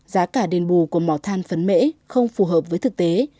giá cả đền bù của mỏ than phấn mễ không phù hợp với thực tế